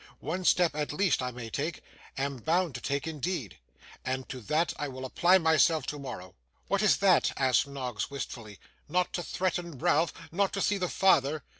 One step, at least, I may take am bound to take indeed and to that I will apply myself tomorrow.' 'What is that?' asked Noggs wistfully. 'Not to threaten Ralph? Not to see the father?